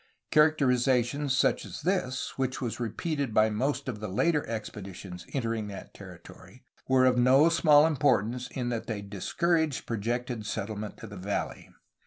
Characterizations such as this, which was repeated by most of the later expeditions entering that territory, were of no small importance in that they discouraged projected settlement of the valley.